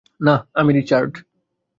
না, আমি রিচার্ড।